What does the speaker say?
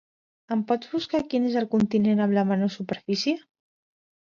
Em pots buscar quin és el continent amb la menor superfície?